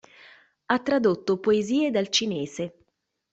Ha tradotto poesie dal cinese.